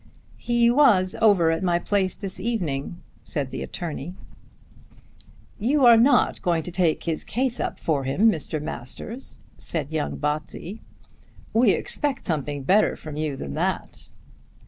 "He was over at my place this evening," said the attorney. "You are not going to take his case up for him, Mr. Masters?" said young Botsey. "We expect something better from you than that."